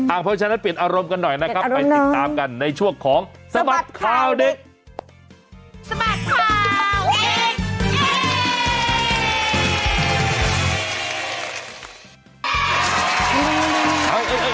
อ่าเพราะฉะนั้นเปลี่ยนอารมณ์กันหน่อยนะครับไปติดตามกันในช่วงของสมัครคราวเด็ก